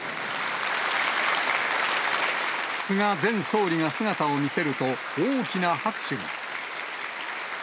菅前総理が姿を見せると、大きな拍手が。